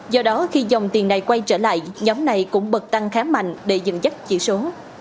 do đó khi dòng tiền này quay trở lại nhóm này cũng bật tăng khá mạnh để dừng dắt chỉ số